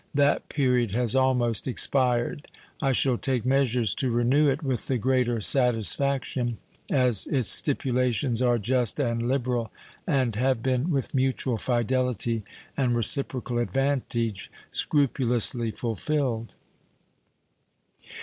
That period has almost expired. I shall take measures to renew it with the greater satisfaction as its stipulations are just and liberal and have been, with mutual fidelity and reciprocal advantage, scrupulously fulfilled.